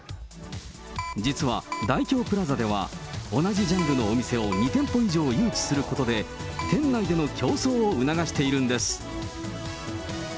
実は、ダイキョープラザでは、同じジャンルのお店を２店舗以上誘致することで、店内での競争を促しているんです。